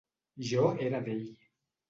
Jo era d'ell.